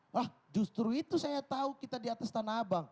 wah justru itu saya tahu kita di atas tanah abang